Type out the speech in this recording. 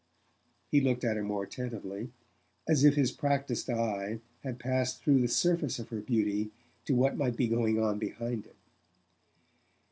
He looked at her more attentively, as if his practised eve had passed through the surface of her beauty to what might be going on behind it.